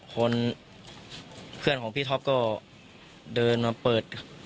เพื่อนของพี่ท็อปก็เดินมาเปิด